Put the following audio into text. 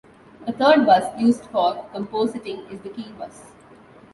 A third bus used for compositing is the "key bus".